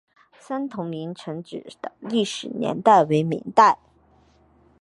三屯营城址的历史年代为明代。